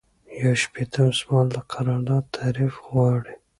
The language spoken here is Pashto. یو شپیتم سوال د قرارداد تعریف غواړي.